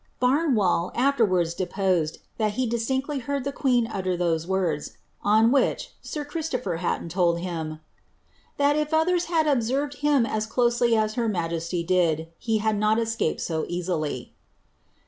Barnwali afterwards deposed, that he distinctly heard the 'Caiwlcn; Muiilini I^ngaid. 'Camrien. ELIZABETH. 27 queen utter those words ; on which, sir Christopher Hatton told him, that if others had observed him as closely as her majesty did, ho had not escaped so easily."